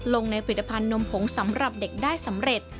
ลงในผลิตภัณฑ์นมผงสำหรับเด็กได้สำเร็จ